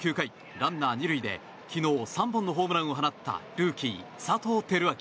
ランナー２塁で昨日３本のホームランを放ったルーキー、佐藤輝明。